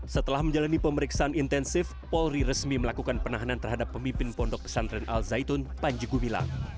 setelah menjalani pemeriksaan intensif polri resmi melakukan penahanan terhadap pemimpin pondok pesantren al zaitun panji gumilang